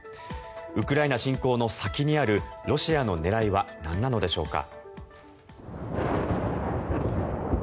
ウクライナ侵攻の先にあるロシアの狙いはなんなのでしょうか。